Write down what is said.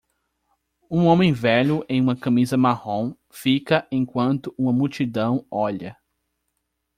Um homem velho em uma camisa marrom fica enquanto uma multidão olha